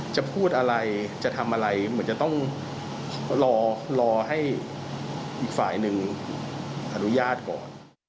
จะพูดอะไรจะทำอะไรเหมือนจะต้องรอรอให้อีกฝ่ายหนึ่งอนุญาตก่อน